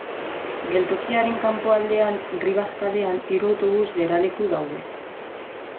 Geltokiaren kanpoaldean, Rivas kalean, hiru autobus geraleku daude.